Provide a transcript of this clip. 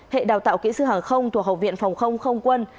hệ đào tạo kỹ sư hàng không thuộc học viện phòng không không quân